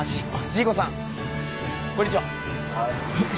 ジーコさんこんにちは。